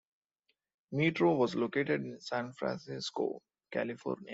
Meetro was located in San Francisco, California.